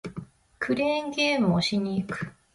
クレーンゲームをしに行く